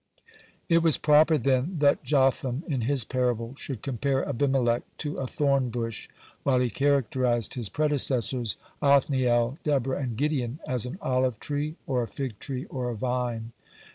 It was proper, then, that Jotham, in his parable, should compare Abimelech to a thorn bush, while he characterized his predecessors, Othniel, Deborah, and Gideon, as an olive tree, or a fig tree, or a vine.